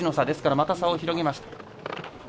ですからまた差を広げました。